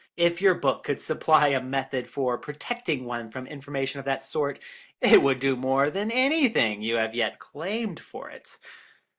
If your book could supply a method for protecting one from information of that sort it would do more than anything you have yet claimed for it."